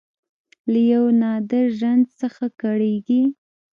له یو نادر رنځ څخه کړېږي